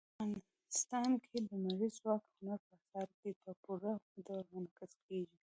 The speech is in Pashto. افغانستان کې لمریز ځواک د هنر په اثارو کې په پوره ډول منعکس کېږي.